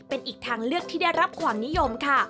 เป็นอีกทางเลือกที่ได้รับความนิยมค่ะ